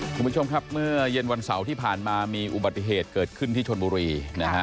คุณผู้ชมครับเมื่อเย็นวันเสาร์ที่ผ่านมามีอุบัติเหตุเกิดขึ้นที่ชนบุรีนะฮะ